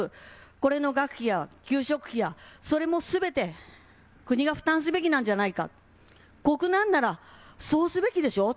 これの学費や給食費やそれもすべて国が負担すべきなんじゃないか、国難ならそうすべきでしょう。